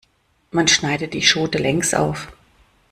Man schneidet die Schote längs auf.